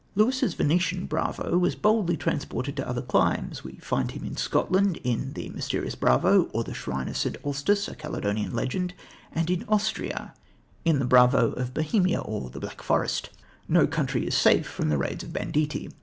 Lewis's Venetian bravo was boldly transported to other climes. We find him in Scotland in The Mysterious Bravo, or The Shrine of St. Alstice, A Caledonian Legend, and in Austria in The Bravo of Bohemia or The Black Forest. No country is safe from the raids of banditti.